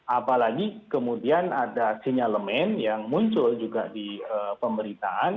apalagi kemudian ada sinyalemen yang muncul juga di pemberitaan